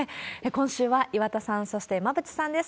今週は岩田さん、そして馬渕さんです。